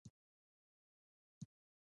دا خبره ټيک ده -